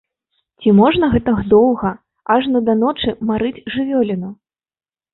Ці можна ж гэтак доўга, ажно да ночы, марыць жывёліну!